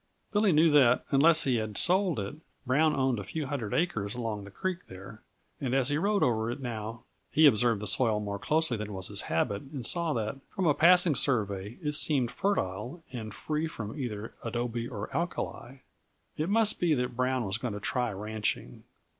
Billy knew that unless he had sold it Brown owned a few hundred acres along the creek there; and as he rode over it now he observed the soil more closely than was his habit, and saw that, from a passing survey, it seemed fertile and free from either adobe or alkali. It must be that Brown was going to try ranching.